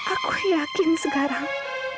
aku yakin sekarang